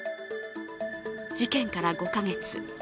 事件から５か月。